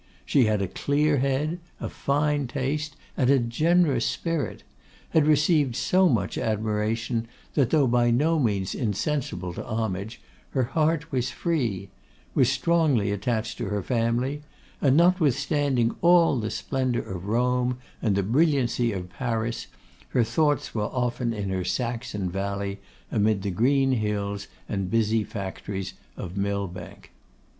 She had a clear head, a fine taste, and a generous spirit; had received so much admiration, that, though by no means insensible to homage, her heart was free; was strongly attached to her family; and, notwithstanding all the splendour of Rome, and the brilliancy of Paris, her thoughts were often in her Saxon valley, amid the green hills and busy factories of Millbank.